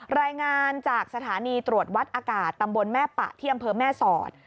รายงานจากสถานีตรวจวัดอากาศตำบลแม่ปะที่อำเภอแม่สอด